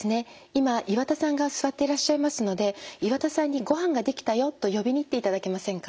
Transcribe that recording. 今岩田さんが座っていらっしゃいますので岩田さんに「ごはんが出来たよ」と呼びに行っていただけませんか？